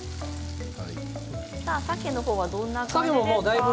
さけの方はどんな感じですか？